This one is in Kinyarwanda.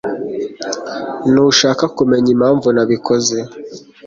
Ntushaka kumenya impamvu nabikoze?